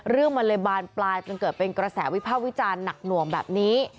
เรื่องมันเลยบานปลายจนเกิดเป็นกระแสวิภาควิจารณ์หนักหน่วงแบบนี้